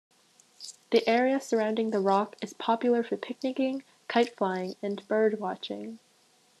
The area surrounding the rock is popular for picnicking, kite-flying, and bird-watching.